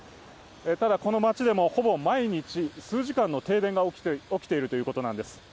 ただ、この街でも毎日、数時間の停電が起きているということなんです。